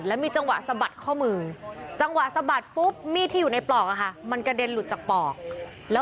แล้วมีจังหวะสะบัดข้อมือจังหวะสะบัดปุ๊บมีดที่อยู่ในปลอกค่ะ